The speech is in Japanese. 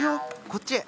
こっちへ。